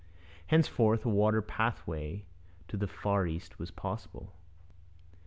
Henceforth a water pathway to the Far East was possible.